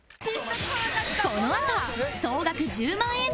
このあと総額１０万円